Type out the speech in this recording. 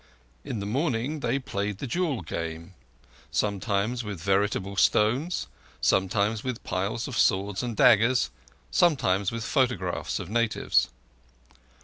In the morning they played the Jewel Game—sometimes with veritable stones, sometimes with piles of swords and daggers, sometimes with photo graphs of natives.